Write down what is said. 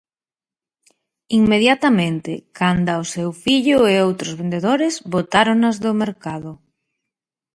Inmediatamente, canda o seu fillo e outros vendedores, botáronas do mercado.